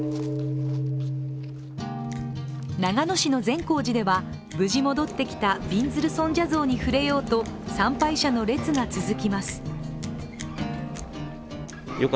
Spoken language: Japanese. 長野市の善光寺では、無事戻ってきたびんずる尊者像に触れようと参拝者の列が続きます。